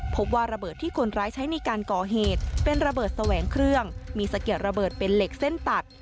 พบว่าระเบิดที่คนร้ายใช้ในการก่อเหตุเป็นระเบิดแสวงเครื่องมีสะเก็ดระเบิดเป็นเหล็กเส้นตัด